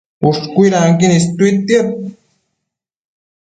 Ushcuidanquin istuidtia